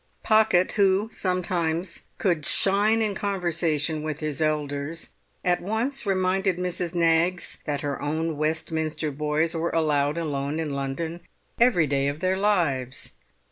Pocket, who could sometimes shine in conversation with his elders, at once reminded Mrs. Knaggs that her own Westminster boys were allowed alone in London every day of their lives.